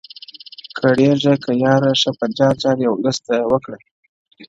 o کریږه که یاره ښه په جار جار یې ولس ته وکړه,